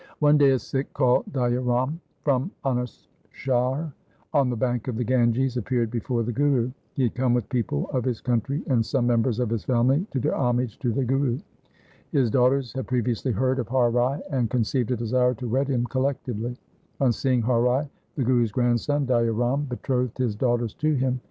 One day a Sikh called Daya Ram, from Anupshahr on the bank of the Ganges, appeared before the Guru. He had come with people of his country and some members of his family to do homage to the Guru. His daughters had previously heard of Har 1 Supplementary sloks. LIFE OF GURU HAR GOBIND 225 Rai and conceived a desire to wed him collectively. On seeing Har Rai the Guru's grandson, Daya Ram betrothed his daughters to him.